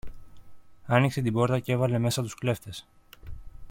άνοιξε την πόρτα κι έβαλε μέσα τους κλέφτες.